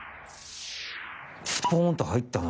スポンとはいったな。